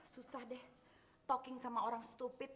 susah deh talking sama orang stupit